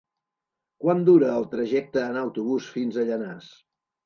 Quant dura el trajecte en autobús fins a Llanars?